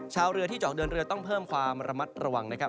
ชาวเรือที่จะออกเดินเรือต้องเพิ่มความระมัดระวังนะครับ